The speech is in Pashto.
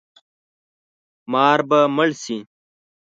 مار به مړ شي